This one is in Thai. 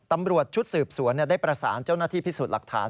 ตำรวจชุดสืบสวนได้ประสานเจ้าหน้าที่พิสูจน์หลักฐาน